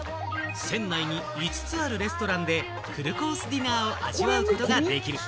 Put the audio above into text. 船内に５つあるレストランでフルコースディナーを味わうことができる。